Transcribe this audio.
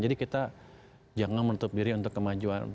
jadi kita jangan menutup diri untuk kemajuan